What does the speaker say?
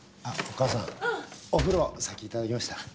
あっお母さんお風呂先に頂きました。